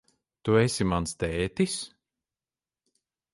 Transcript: Tu esi mans tētis?